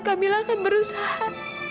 kamila akan berusaha